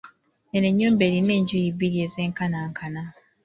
Eno ennyumba erina enjuyi bbiri ez'enkanankana.